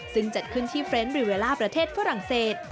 ซึ่งจัดขึ้นที่เฟรนด์บริเวล่าประเทศฝรั่งเศส